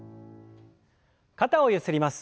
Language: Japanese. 肩をゆすります。